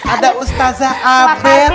ada ustazah abel